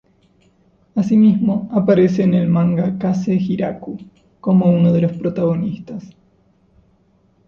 Asimismo aparece en el manga Kaze Hikaru, como uno de los protagonistas.